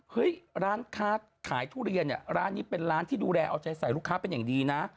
ร้านค้าขายทุเรียนเนี่ยร้านนี้เป็นร้านที่ดูแลเอาใจใส่ลูกค้าเป็นอย่างดีนะ